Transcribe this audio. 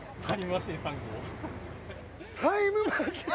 タイムマシーン。